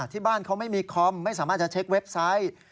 ที่บ้านเขาไม่มีคอมไม่สามารถจะเช็คเว็บไซต์